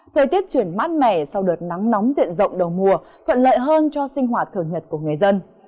thời tiết chuyển mát mẻ sau đợt nắng nóng diện rộng đầu mùa thuận lợi hơn cho sinh hoạt thờ nhật của nước